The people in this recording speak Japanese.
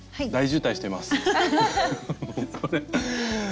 渋滞してますね。